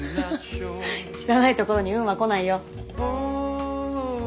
汚いところに運は来ないよ！